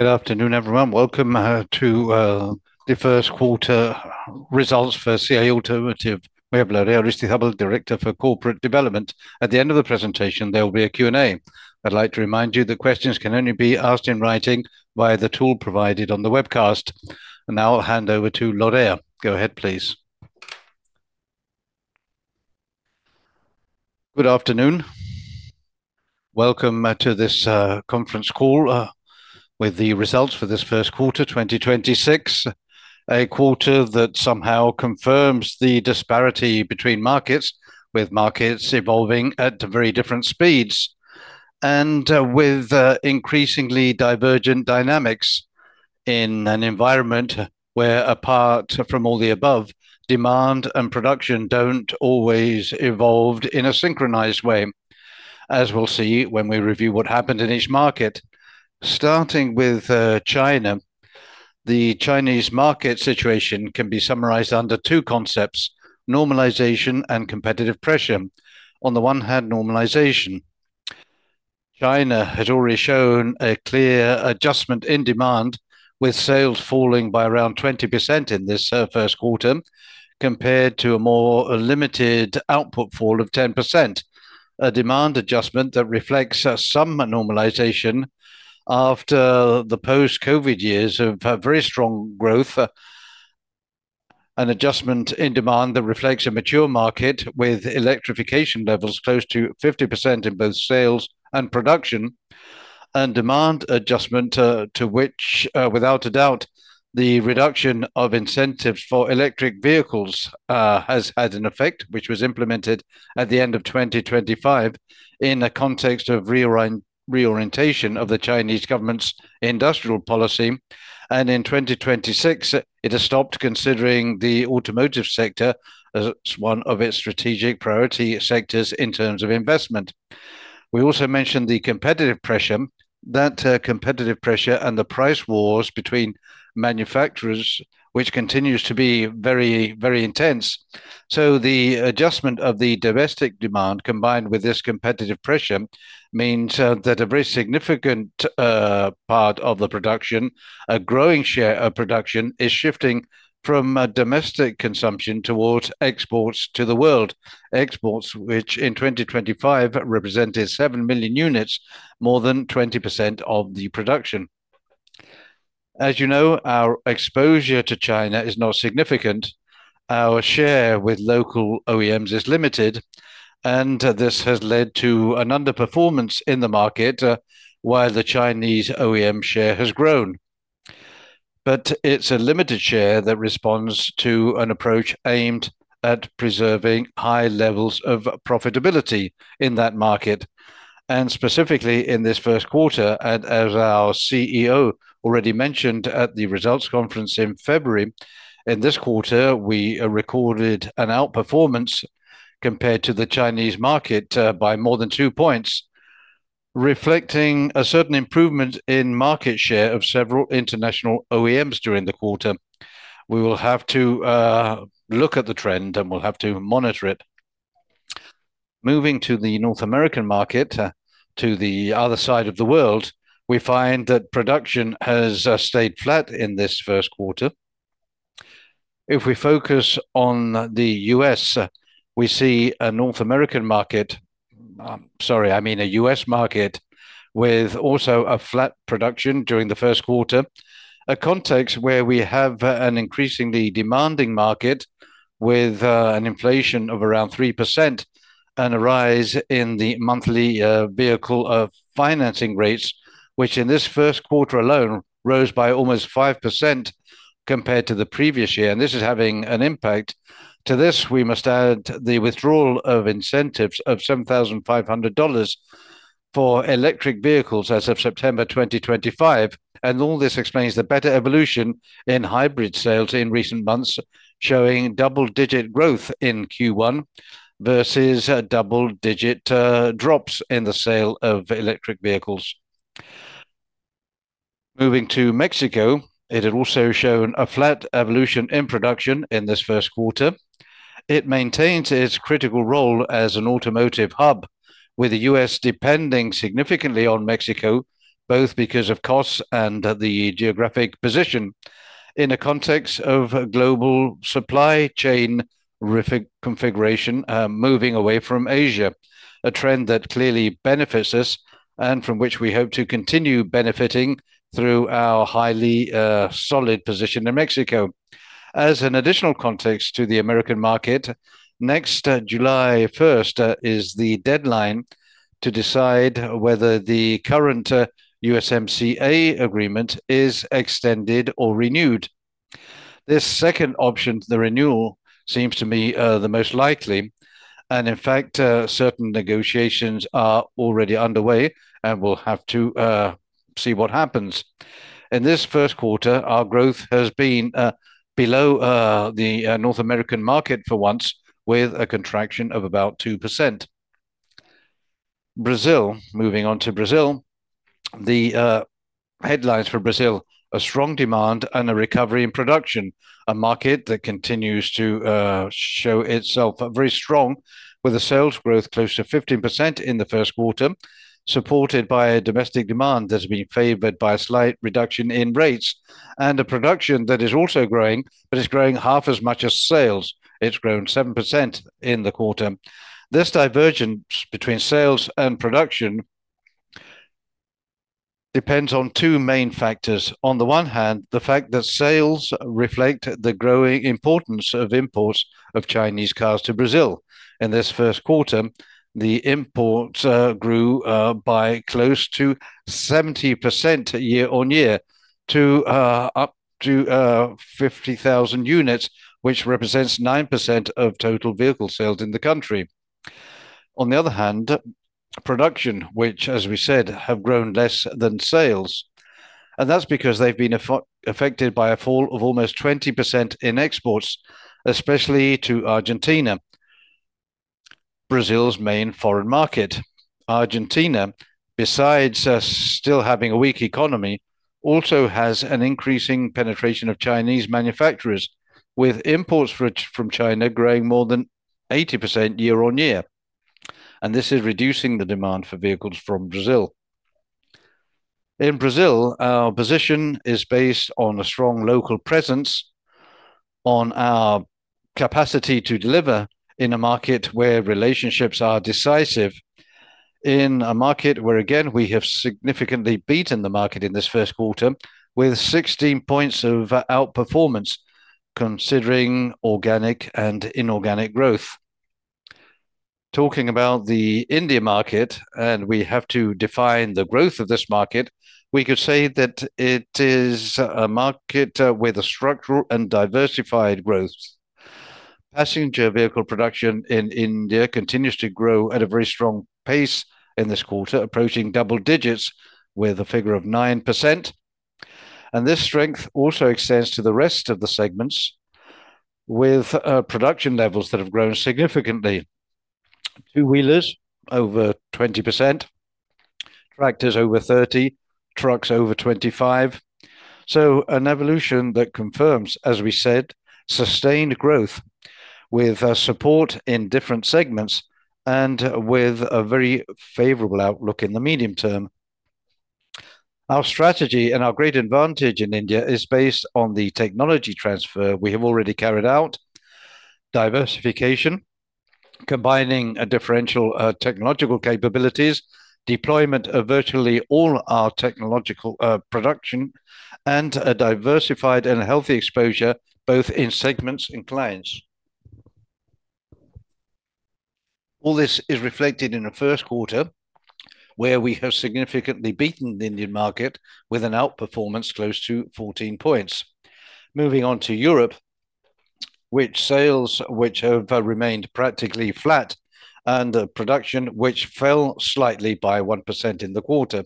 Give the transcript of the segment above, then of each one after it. Good afternoon, everyone. Welcome to the First quarter results for CIE Automotive. We have Lorea Aristizabal, Director for Corporate Development. At the end of the presentation, there will be a Q&A. I'd like to remind you that questions can only be asked in writing via the tool provided on the webcast. Now I'll hand over to Lorea. Go ahead, please. Good afternoon. Welcome to this conference call with the results for this first quarter, 2026. A quarter that somehow confirms the disparity between markets, with markets evolving at very different speeds and with increasingly divergent dynamics in an environment where apart from all the above, demand and production don't always evolve in a synchronized way, as we'll see when we review what happened in each market. Starting with China. The Chinese market situation can be summarized under two concepts: normalization and competitive pressure. On the one hand, normalization. China had already shown a clear adjustment in demand, with sales falling by around 20% in this first quarter compared to a more limited output fall of 10%. A demand adjustment that reflects some normalization after the post-COVID years of very strong growth. An adjustment in demand that reflects a mature market with electrification levels close to 50% in both sales and production. Demand adjustment, to which, without a doubt, the reduction of incentives for electric vehicles has had an effect, which was implemented at the end of 2025 in a context of reorientation of the Chinese government's industrial policy. In 2026, it has stopped considering the automotive sector as one of its strategic priority sectors in terms of investment. We also mentioned the competitive pressure. That competitive pressure and the price wars between manufacturers, which continues to be very, very intense. The adjustment of the domestic demand, combined with this competitive pressure, means that a very significant part of the production, a growing share of production, is shifting from domestic consumption towards exports to the world. Exports, which in 2025 represented 7 million units, more than 20% of the production. As you know, our exposure to China is not significant. Our share with local OEMs is limited, and this has led to an underperformance in the market, while the Chinese OEM share has grown. It's a limited share that responds to an approach aimed at preserving high levels of profitability in that market, and specifically in this first quarter. As our CEO already mentioned at the results conference in February, in this quarter, we recorded an outperformance compared to the Chinese market by more than 2 points, reflecting a certain improvement in market share of several international OEMs during the quarter. We will have to look at the trend, and we'll have to monitor it. Moving to the North American market, to the other side of the world, we find that production has stayed flat in this first quarter. If we focus on the U.S., we see a North American market, sorry, I mean a U.S. market with also a flat production during the first quarter. A context where we have an increasingly demanding market with an inflation of around 3% and a rise in the monthly vehicle financing rates, which in this first quarter alone rose by almost 5% compared to the previous year. This is having an impact. To this, we must add the withdrawal of incentives of $7,500 for electric vehicles as of September 2025. All this explains the better evolution in hybrid sales in recent months, showing double-digit growth in Q1 versus double-digit drops in the sale of electric vehicles. Moving to Mexico, it had also shown a flat evolution in production in this first quarter. It maintains its critical role as an automotive hub, with the U.S. depending significantly on Mexico, both because of costs and the geographic position in a context of a global supply chain configuration, moving away from Asia. A trend that clearly benefits us and from which we hope to continue benefiting through our highly solid position in Mexico. As an additional context to the American market, next July 1st is the deadline to decide whether the current USMCA agreement is extended or renewed. This second option, the renewal, seems to me the most likely. In fact, certain negotiations are already underway, and we'll have to see what happens. In this 1st quarter, our growth has been below the North American market for once with a contraction of about 2%. Brazil. Moving on to Brazil. The headlines for Brazil, a strong demand and a recovery in production. A market that continues to show itself very strong with a sales growth close to 15% in the first quarter, supported by a domestic demand that has been favored by a slight reduction in rates and a production that is also growing, but it's growing half as much as sales. It's grown 7% in the quarter. This divergence between sales and production depends on two main factors. On the one hand, the fact that sales reflect the growing importance of imports of Chinese cars to Brazil. In this first quarter, the imports grew by close to 70% year-on-year up to 50,000 units, which represents 9% of total vehicle sales in the country. Production, which as we said, have grown less than sales, and that's because they've been affected by a fall of almost 20% in exports, especially to Argentina, Brazil's main foreign market. Argentina, besides, still having a weak economy, also has an increasing penetration of Chinese manufacturers, with imports from China growing more than 80% year on year, this is reducing the demand for vehicles from Brazil. In Brazil, our position is based on a strong local presence on our capacity to deliver in a market where relationships are decisive, in a market where again, we have significantly beaten the market in this first quarter with 16 points of outperformance considering organic and inorganic growth. Talking about the India market, we have to define the growth of this market. We could say that it is a market with a structural and diversified growth. Passenger vehicle production in India continues to grow at a very strong pace in this quarter, approaching double digits with a figure of 9%. This strength also extends to the rest of the segments with production levels that have grown significantly. Two-wheelers over 20%, tractors over 30, trucks over 25. An evolution that confirms, as we said, sustained growth with support in different segments and with a very favorable outlook in the medium term. Our strategy and our great advantage in India is based on the technology transfer we have already carried out, diversification, combining differential technological capabilities, deployment of virtually all our technological production, and a diversified and healthy exposure both in segments and clients. All this is reflected in the Q1, where we have significantly beaten the Indian market with an outperformance close to 14 points. Moving on to Europe, sales which have remained practically flat, and production which fell slightly by 1% in the quarter.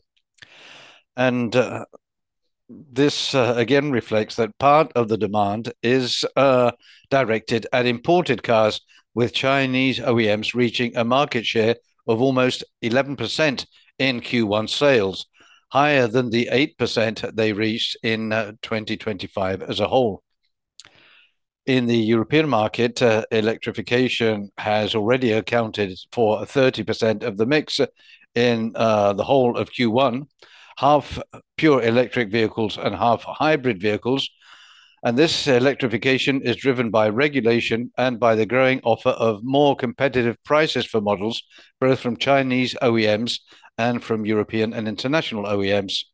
This again reflects that part of the demand is directed at imported cars, with Chinese OEMs reaching a market share of almost 11% in Q1 sales, higher than the 8% they reached in 2025 as a whole. In the European market, electrification has already accounted for 30% of the mix in the whole of Q1. Half pure electric vehicles and half hybrid vehicles. This electrification is driven by regulation and by the growing offer of more competitive prices for models, both from Chinese OEMs and from European and international OEMs.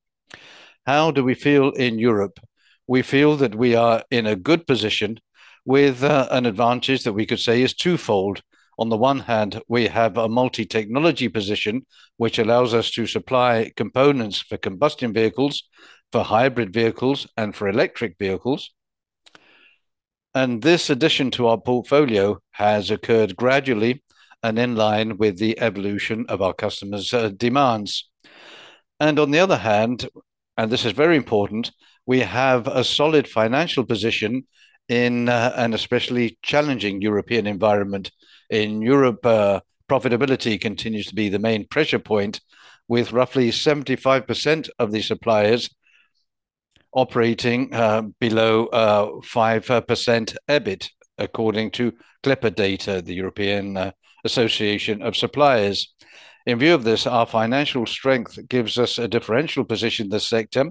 How do we feel in Europe? We feel that we are in a good position with an advantage that we could say is twofold. On the one hand, we have a multi-technology position, which allows us to supply components for combustion vehicles, for hybrid vehicles, and for electric vehicles. This addition to our portfolio has occurred gradually and in line with the evolution of our customers' demands. On the other hand, and this is very important, we have a solid financial position in an especially challenging European environment. In Europe, profitability continues to be the main pressure point, with roughly 75% of the suppliers operating below 5% EBIT according to CLEPA data, the European Association of Suppliers. In view of this, our financial strength gives us a differential position in the sector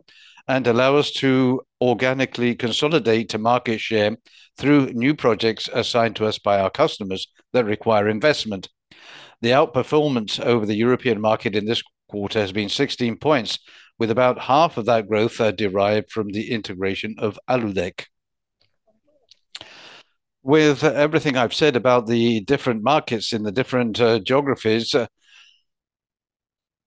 and allow us to organically consolidate to market share through new projects assigned to us by our customers that require investment. The outperformance over the European market in this quarter has been 16 points, with about half of that growth derived from the integration of Aludec. With everything I've said about the different markets in the different geographies,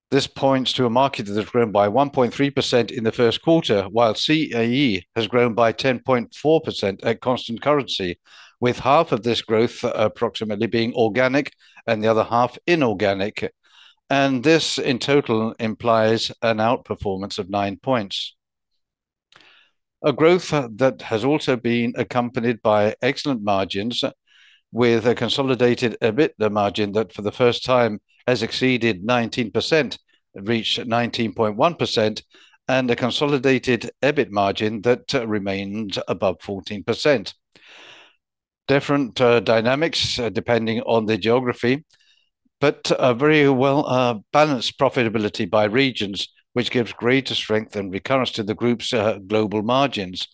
this points to a market that has grown by 1.3% in the first quarter, while CIE has grown by 10.4% at constant currency, with half of this growth approximately being organic and the other half inorganic. This in total implies an outperformance of 9 points. A growth that has also been accompanied by excellent margins with a consolidated EBITDA margin that for the first time has exceeded 19%, reached 19.1%, and a consolidated EBIT margin that remains above 14%. Different dynamics depending on the geography, but a very well balanced profitability by regions, which gives greater strength and recurrence to the group's global margins.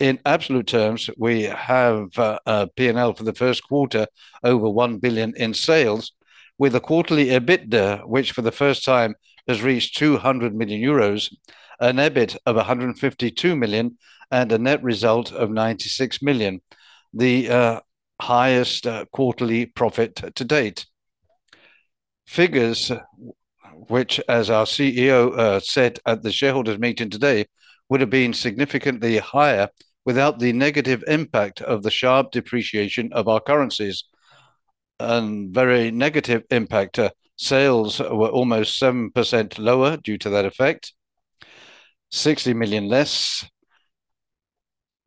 In absolute terms, we have a P&L for the first quarter over 1 billion in sales with a quarterly EBITDA, which for the first time has reached 200 million euros, an EBIT of 152 million, and a net result of 96 million, the highest quarterly profit to date. Figures which, as our CEO, said at the shareholders' meeting today, would have been significantly higher without the negative impact of the sharp depreciation of our currencies. Very negative impact, sales were almost 7% lower due to that effect, 60 million less,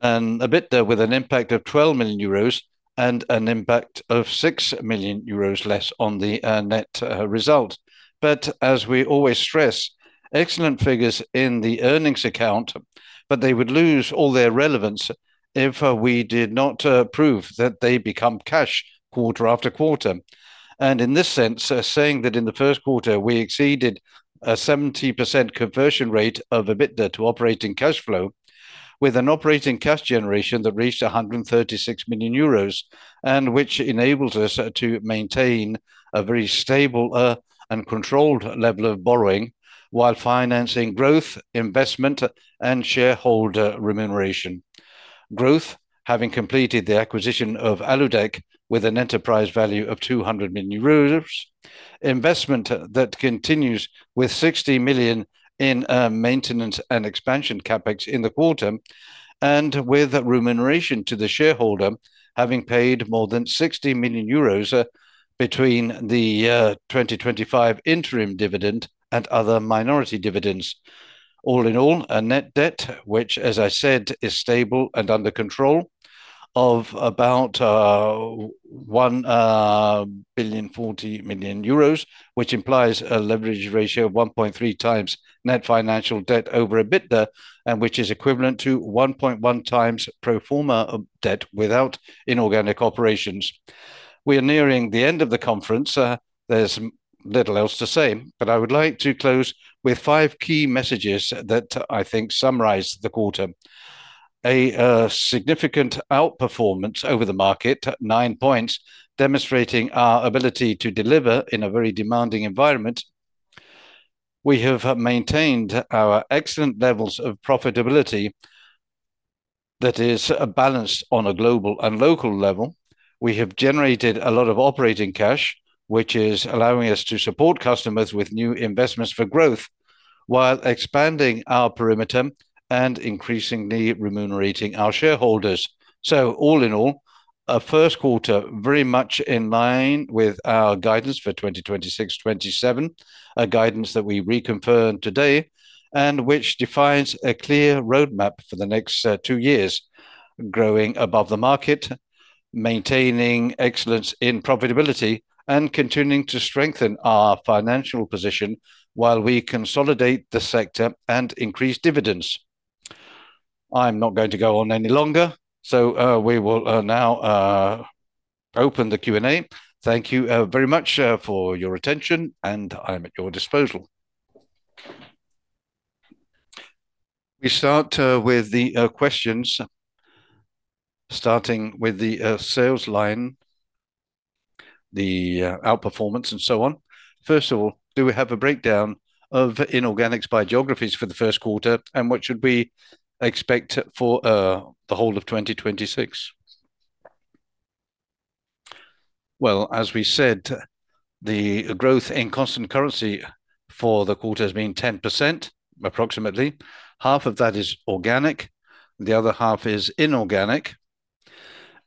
and EBITDA with an impact of 12 million euros and an impact of 6 million euros less on the net result. As we always stress, excellent figures in the earnings account, but they would lose all their relevance if we did not prove that they become cash quarter after quarter. In this sense, saying that in the first quarter we exceeded a 70% conversion rate of EBITDA to operating cash flow with an operating cash generation that reached 136 million euros, and which enables us to maintain a very stable and controlled level of borrowing while financing growth, investment, and shareholder remuneration. Growth, having completed the acquisition of Aludec with an enterprise value of 200 million euros. Investment that continues with 60 million in maintenance and expansion CapEx in the quarter. With remuneration to the shareholder, having paid more than 60 million euros between the 2025 interim dividend and other minority dividends. All in all, a net debt, which as I said, is stable and under control of about 1 billion 40 million, which implies a leverage ratio of 1.3 times net financial debt over EBITDA, which is equivalent to 1.1 times pro forma debt without inorganic operations. We are nearing the end of the conference. There's little else to say, but I would like to close with five key messages that I think summarize the quarter. A significant outperformance over the market, nine points, demonstrating our ability to deliver in a very demanding environment. We have maintained our excellent levels of profitability that is balanced on a global and local level. We have generated a lot of operating cash, which is allowing us to support customers with new investments for growth while expanding our perimeter and increasingly remunerating our shareholders. All in all, a 1st quarter very much in line with our guidance for 2026, 2027. A guidance that we reconfirm today and which defines a clear roadmap for the next two years, growing above the market, maintaining excellence in profitability, and continuing to strengthen our financial position while we consolidate the sector and increase dividends. I'm not going to go on any longer, we will now open the Q&A. Thank you very much for your attention, and I'm at your disposal. We start with the questions, starting with the sales line, the outperformance and so on. First of all, do we have a breakdown of inorganics by geographies for the 1st quarter, and what should we expect for the whole of 2026? Well, as we said, the growth in constant currency for the quarter has been 10%, approximately. Half of that is organic, the other half is inorganic.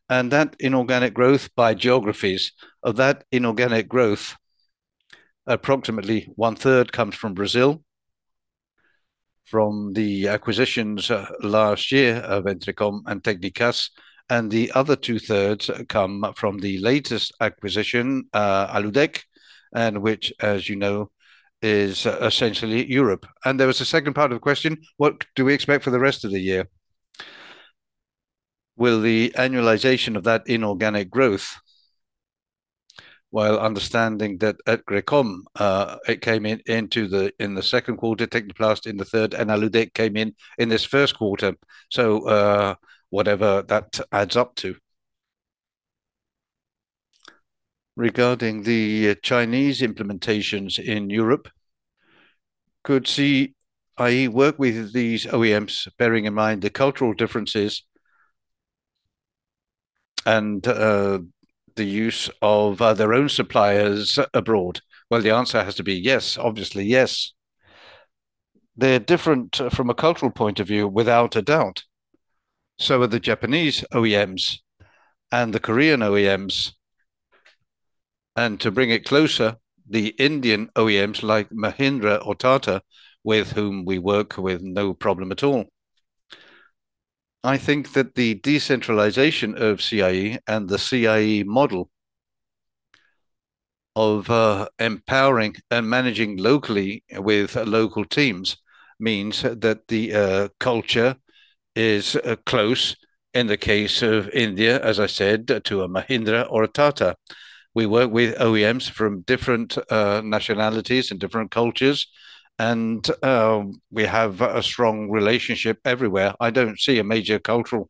That inorganic growth by geographies. Of that inorganic growth, approximately 1/3 comes from Brazil, from the acquisitions last year of Entrecom and Techniplas, and the other 2/3 come from the latest acquisition, Aludec, and which, as you know, is essentially Europe. There was a second part of the question, what do we expect for the rest of the year? Will the annualization of that inorganic growth, while understanding that at Entrecom, it came in the second quarter, Techniplas in the third, and Aludec came in this first quarter. Whatever that adds up to. Regarding the Chinese implementations in Europe, could CIE work with these OEMs, bearing in mind the cultural differences and the use of their own suppliers abroad. Well, the answer has to be yes. Obviously, yes. They're different from a cultural point of view, without a doubt. So are the Japanese OEMs and the Korean OEMs. To bring it closer, the Indian OEMs like Mahindra or Tata, with whom we work with no problem at all. I think that the decentralization of CIE and the CIE model of empowering and managing locally with local teams means that the culture is close, in the case of India, as I said, to a Mahindra or a Tata. We work with OEMs from different nationalities and different cultures, and we have a strong relationship everywhere. I don't see a major cultural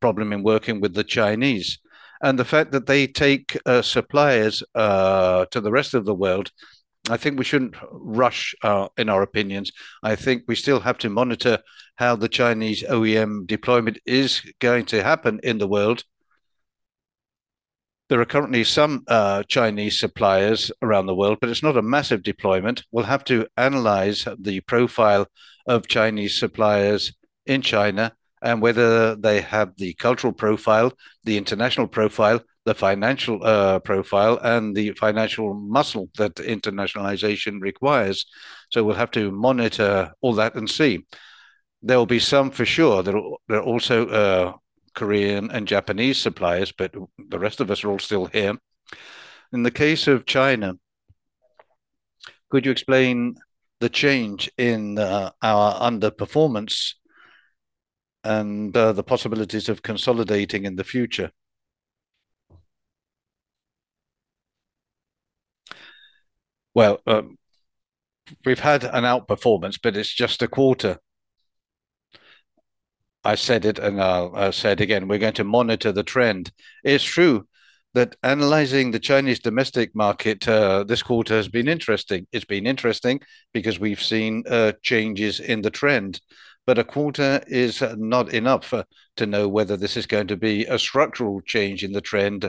problem in working with the Chinese. The fact that they take suppliers to the rest of the world, I think we shouldn't rush in our opinions. I think we still have to monitor how the Chinese OEM deployment is going to happen in the world. There are currently some Chinese suppliers around the world, but it's not a massive deployment. We'll have to analyze the profile of Chinese suppliers in China and whether they have the cultural profile, the international profile, the financial profile, and the financial muscle that internationalization requires. We'll have to monitor all that and see. There will be some for sure. There are also Korean and Japanese suppliers, but the rest of us are all still here. In the case of China, could you explain the change in our underperformance and the possibilities of consolidating in the future? Well, we've had an outperformance, it's just a quarter. I said it, I'll say it again, we're going to monitor the trend. It's true that analyzing the Chinese domestic market, this quarter has been interesting. It's been interesting because we've seen changes in the trend. A quarter is not enough to know whether this is going to be a structural change in the trend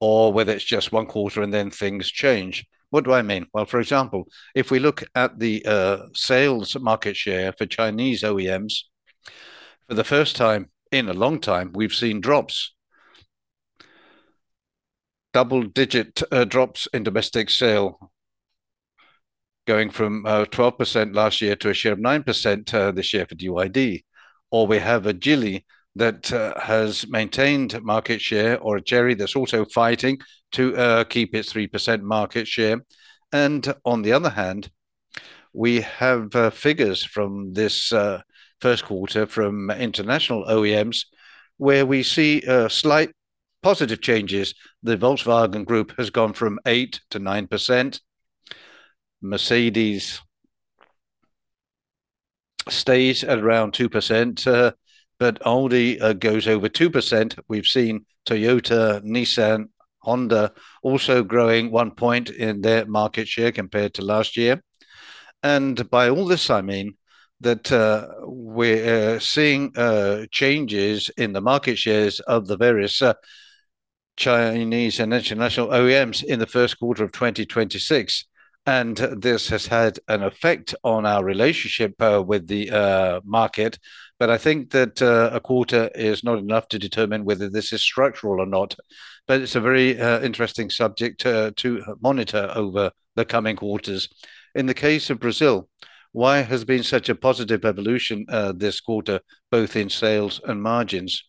or whether it's just 1 quarter and then things change. What do I mean? Well, for example, if we look at the sales market share for Chinese OEMs, for the first time in a long time, we've seen drops. Double-digit drops in domestic sale, going from 12% last year to a share of 9% this year for BYD. We have a Geely that has maintained market share, or a Chery that's also fighting to keep its 3% market share. On the other hand, we have figures from this 1st quarter from international OEMs where we see slight positive changes. The Volkswagen Group has gone from 8%-9%. Mercedes stays at around 2%, but only goes over 2%. We've seen Toyota, Nissan, Honda also growing 1 point in their market share compared to last year. By all this I mean that we're seeing changes in the market shares of the various Chinese and international OEMs in the first quarter of 2026, and this has had an effect on our relationship with the market. I think that a quarter is not enough to determine whether this is structural or not. It's a very interesting subject to monitor over the coming quarters. In the case of Brazil, why has been such a positive evolution this quarter, both in sales and margins?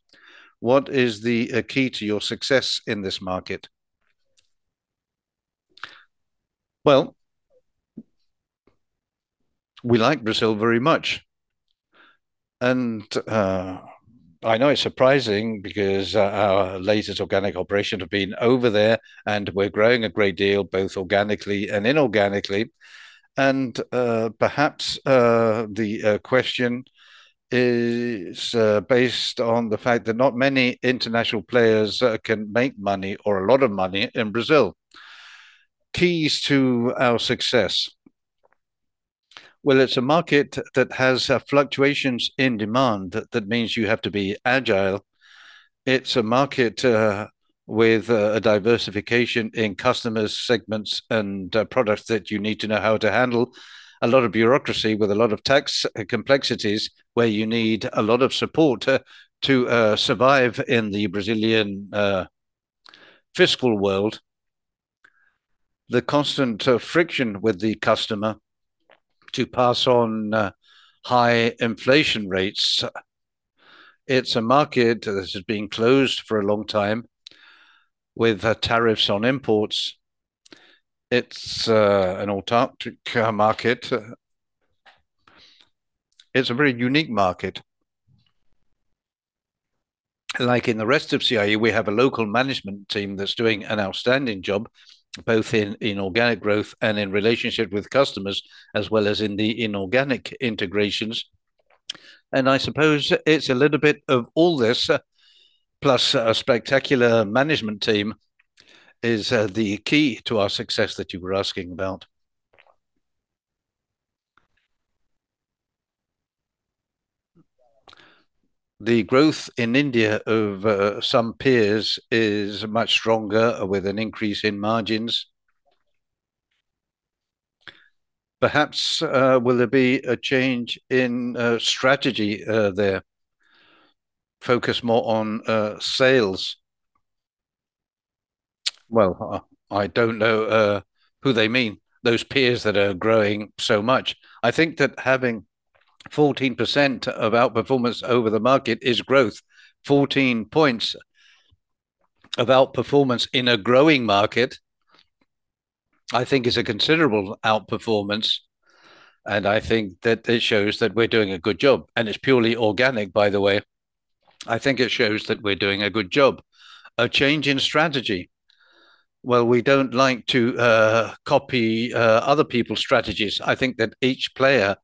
What is the key to your success in this market? Well, we like Brazil very much. I know it's surprising because our latest organic operations have been over there and we're growing a great deal, both organically and inorganically. Perhaps, the question is based on the fact that not many international players can make money or a lot of money in Brazil. Keys to our success. It's a market that has fluctuations in demand that means you have to be agile. It's a market with a diversification in customers, segments, and products that you need to know how to handle. A lot of bureaucracy with a lot of tax complexities where you need a lot of support to survive in the Brazilian fiscal world. The constant friction with the customer to pass on high inflation rates. It's a market that has been closed for a long time with tariffs on imports. It's an autarchic market. It's a very unique market. Like in the rest of CIE, we have a local management team that's doing an outstanding job, both in organic growth and in relationship with customers, as well as in the inorganic integrations. I suppose it's a little bit of all this, plus a spectacular management team is the key to our success that you were asking about. The growth in India over some peers is much stronger with an increase in margins. Perhaps will there be a change in strategy there? Focus more on sales. Well, I don't know who they mean, those peers that are growing so much. I think that having 14% of out-performance over the market is growth. 14 points of out-performance in a growing market, I think is a considerable out-performance, and I think that it shows that we're doing a good job. It's purely organic, by the way. I think it shows that we're doing a good job. A change in strategy. We don't like to copy other people's strategies. I think that each player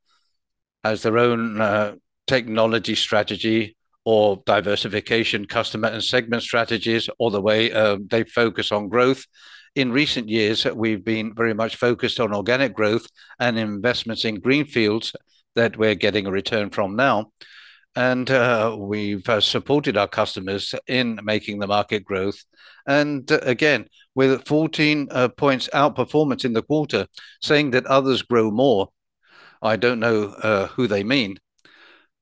has their own technology strategy or diversification customer and segment strategies, or the way they focus on growth. In recent years, we've been very much focused on organic growth and investments in greenfields that we're getting a return from now. We've supported our customers in making the market growth. Again, with 14 points out-performance in the quarter, saying that others grow more, I don't know who they mean,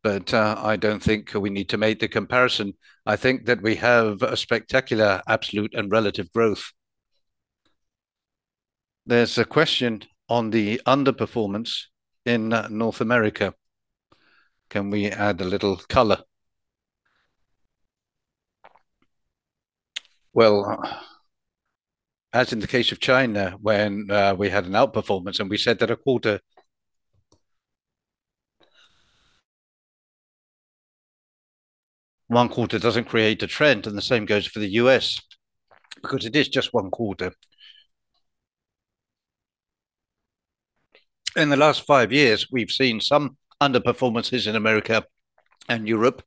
but I don't think we need to make the comparison. I think that we have a spectacular absolute and relative growth. There's a question on the underperformance in North America. Can we add a little color? Well, as in the case of China, when we had an outperformance and we said that a one quarter doesn't create a trend, and the same goes for the U.S., because it is just one quarter. In the last 5 years, we've seen some underperformances in America and Europe,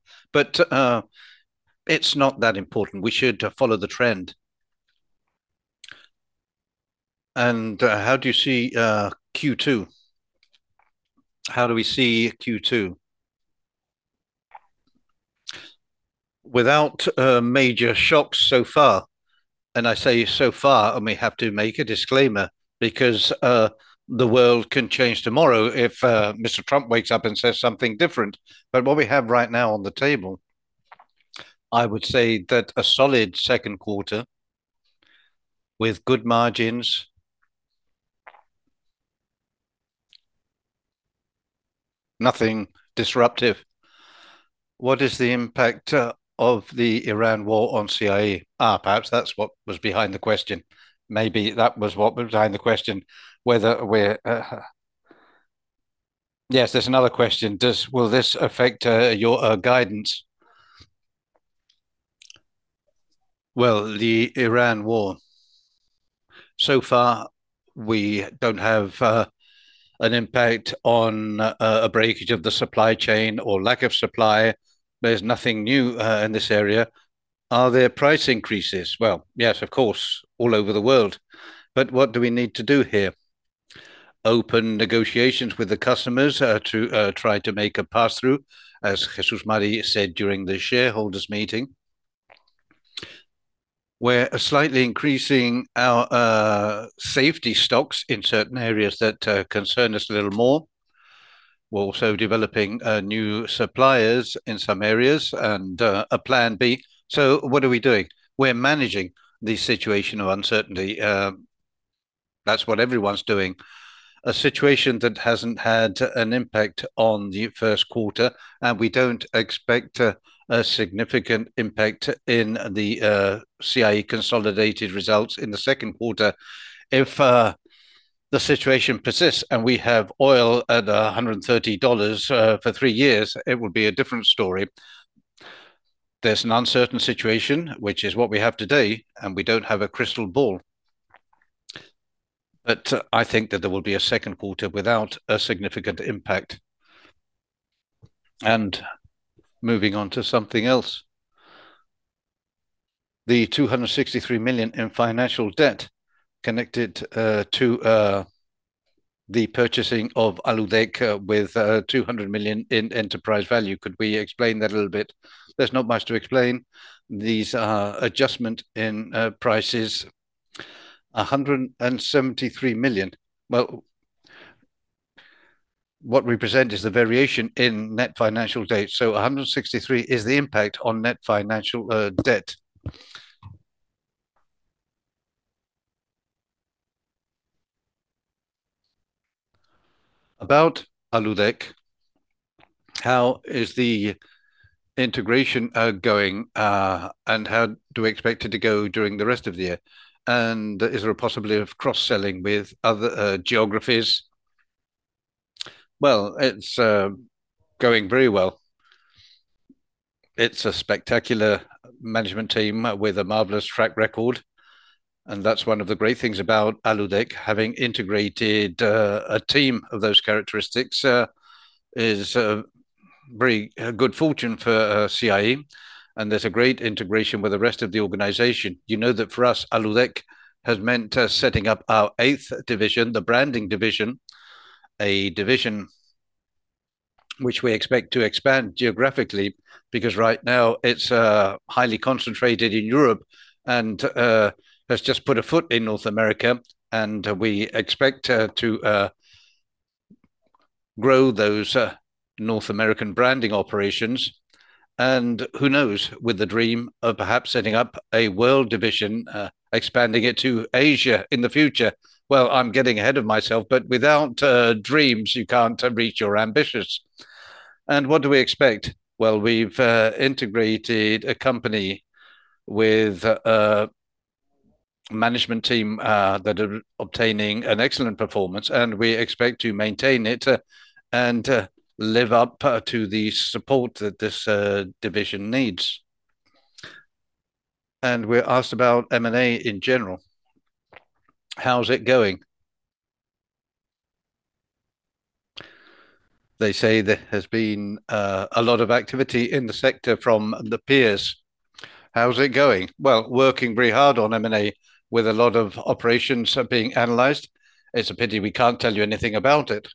it's not that important. We should follow the trend. How do you see Q2? How do we see Q2? Without major shocks so far, and I say so far, and we have to make a disclaimer because the world can change tomorrow if Mr. Trump wakes up and says something different. What we have right now on the table, I would say that a solid second quarter with good margins. Nothing disruptive. What is the impact of the Iran war on CIE? Perhaps that's what was behind the question. Maybe that was what was behind the question, whether we're. Yes, there's another question. Will this affect your guidance? The Iran war. So far, we don't have an impact on a breakage of the supply chain or lack of supply. There's nothing new in this area. Are there price increases? Yes, of course, all over the world. What do we need to do here? Open negotiations with the customers to try to make a pass-through, as Jesús Maria said during the shareholders meeting. We're slightly increasing our safety stocks in certain areas that concern us a little more. We're also developing new suppliers in some areas and a plan B. What are we doing? We're managing the situation of uncertainty. That's what everyone's doing. A situation that hasn't had an impact on the first quarter, and we don't expect a significant impact in the CIE consolidated results in the second quarter. If the situation persists and we have oil at EUR 130 for three years, it would be a different story. There's an uncertain situation, which is what we have today, and we don't have a crystal ball. I think that there will be a second quarter without a significant impact. Moving on to something else. The 263 million in financial debt connected to the purchasing of Aludec with 200 million in enterprise value. Could we explain that a little bit? There's not much to explain. These are adjustment in prices EUR 173 million. Well, what we present is the variation in net financial debt. 163 is the impact on net financial debt. About Aludec, how is the integration going, and how do we expect it to go during the rest of the year? Is there a possibility of cross-selling with other geographies? Well, it's going very well. It's a spectacular management team with a marvelous track record, and that's one of the great things about Aludec. Having integrated a team of those characteristics, is very good fortune for CIE, and there's a great integration with the rest of the organization. You know that for us, Aludec has meant us setting up our eighth division, the branding division, a division which we expect to expand geographically, because right now it's highly concentrated in Europe and has just put a foot in North America. We expect to grow those North American branding operations, and who knows, with the dream of perhaps setting up a world division, expanding it to Asia in the future. Well, I'm getting ahead of myself, but without dreams, you can't reach your ambitions. What do we expect? Well, we've integrated a company with a management team that are obtaining an excellent performance, and we expect to maintain it and live up to the support that this division needs. We're asked about M&A in general. How's it going? They say there has been a lot of activity in the sector from the peers. How's it going? Well, working very hard on M&A with a lot of operations being analyzed. It's a pity we can't tell you anything about it.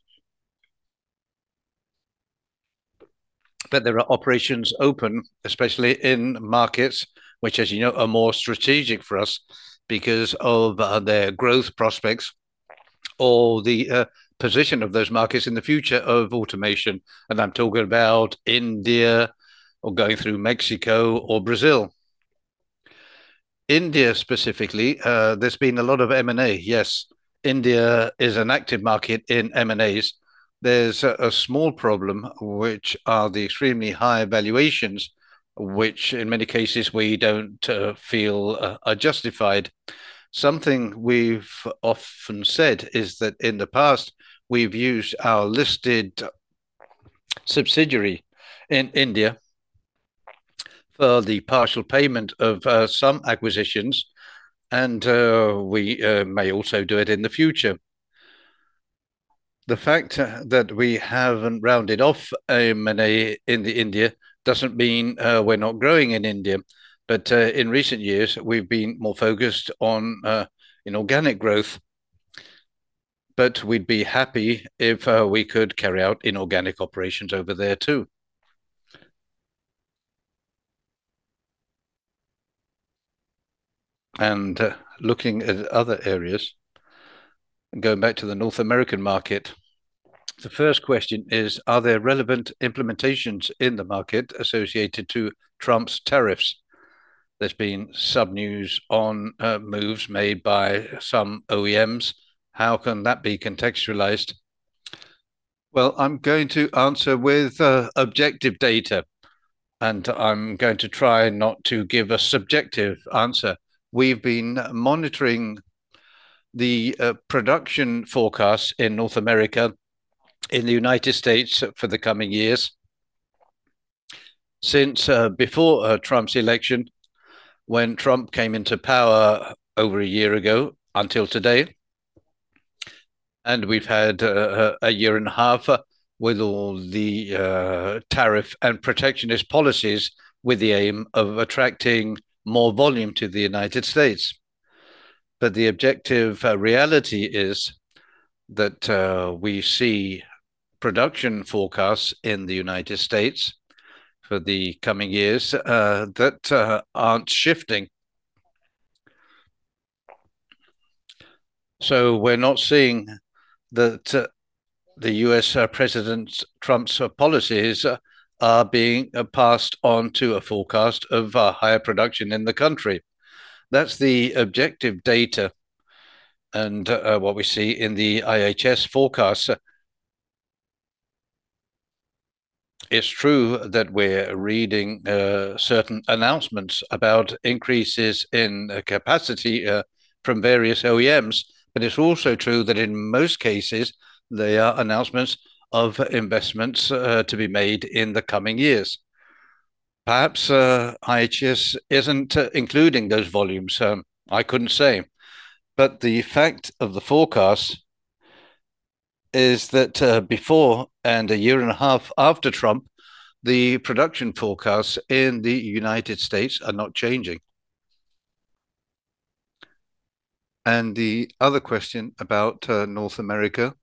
There are operations open, especially in markets which, as you know, are more strategic for us because of their growth prospects or the position of those markets in the future of automotive, and I'm talking about India or going through Mexico or Brazil. India specifically, there's been a lot of M&A. Yes, India is an active market in M&As. There's a small problem, which are the extremely high valuations, which in many cases we don't feel are justified. Something we've often said is that in the past, we've used our listed subsidiary in India for the partial payment of some acquisitions and we may also do it in the future. The fact that we haven't rounded off a M&A in India doesn't mean we're not growing in India. In recent years, we've been more focused on inorganic growth. We'd be happy if we could carry out inorganic operations over there too. Looking at other areas, going back to the North American market, the first question is, "Are there relevant implementations in the market associated to Trump's tariffs?" There's been some news on moves made by some OEMs. How can that be contextualized? Well, I'm going to answer with objective data, and I'm going to try not to give a subjective answer. We've been monitoring the production forecasts in North America, in the U.S. for the coming years since before Trump's election when Trump came into power over a year ago until today, and we've had a year and a half with all the tariff and protectionist policies with the aim of attracting more volume to the U.S. The objective reality is that we see production forecasts in the U.S. for the coming years that aren't shifting. We're not seeing that the U.S. President Trump's policies are being passed on to a forecast of higher production in the country. That's the objective data and what we see in the IHS forecasts. It's true that we're reading certain announcements about increases in capacity from various OEMs, but it's also true that in most cases, they are announcements of investments to be made in the coming years. Perhaps IHS isn't including those volumes, so I couldn't say. The fact of the forecast is that before and a year and a half after Trump, the production forecasts in the United States are not changing. The other question about North America,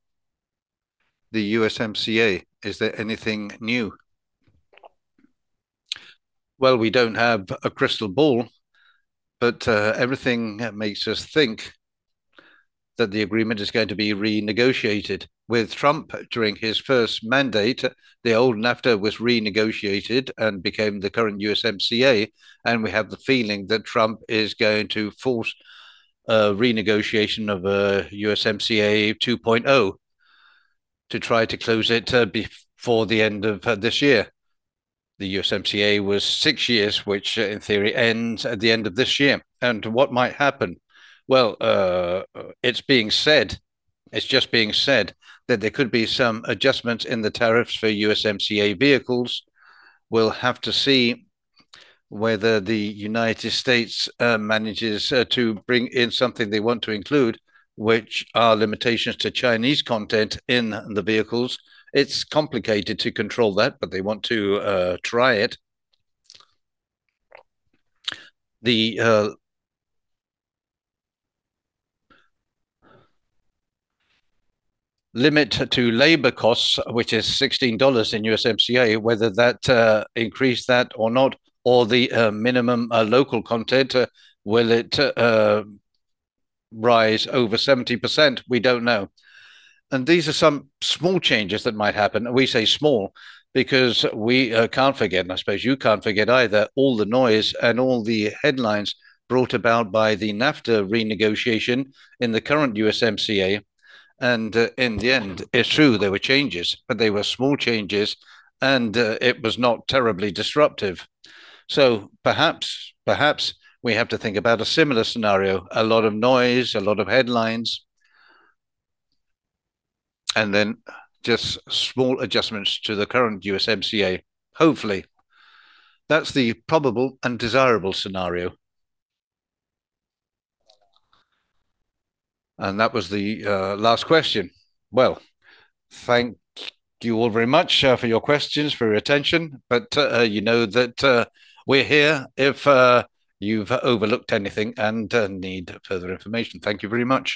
the USMCA, is there anything new? Well, we don't have a crystal ball, but everything makes us think that the agreement is going to be renegotiated. With Trump during his first mandate, the old NAFTA was renegotiated and became the current USMCA, and we have the feeling that Trump is going to force a renegotiation of USMCA 2.0 to try to close it before the end of this year. The USMCA was six years, which, in theory, ends at the end of this year. What might happen? Well, it's being said, it's just being said that there could be some adjustments in the tariffs for USMCA vehicles. We'll have to see whether the United States manages to bring in something they want to include, which are limitations to Chinese content in the vehicles. It's complicated to control that, but they want to try it. The limit to labor costs, which is $16 in USMCA, whether that increase that or not, or the minimum local content, will it rise over 70%, we don't know. These are some small changes that might happen. We say small because we can't forget, and I suppose you can't forget either, all the noise and all the headlines brought about by the NAFTA renegotiation in the current USMCA. In the end, it's true there were changes, but they were small changes and it was not terribly disruptive. Perhaps, perhaps we have to think about a similar scenario, a lot of noise, a lot of headlines, and then just small adjustments to the current USMCA, hopefully. That's the probable and desirable scenario. That was the last question. Well, thank you all very much for your questions, for your attention. You know that, we're here if you've overlooked anything and need further information. Thank you very much.